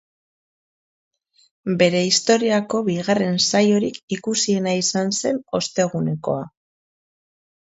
Bere historiako bigarren saiorik ikusiena izan zen ostegunekoa.